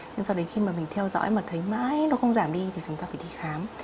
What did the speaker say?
nhưng sau đến khi mà mình theo dõi mà thấy mãi nó không giảm đi thì chúng ta phải đi khám